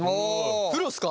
プロっすか！？